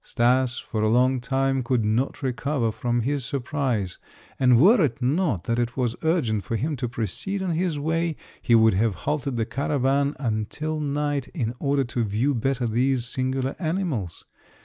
Stas for a long time could not recover from his surprise, and were it not that it was urgent for him to proceed on his way he would have halted the caravan until night in order to view better these singular animals.